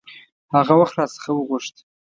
هغه وخت را څخه وغوښت.